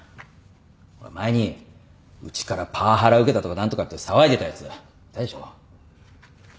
前にうちからパワハラ受けたとか何とかって騒いでたやついたでしょ。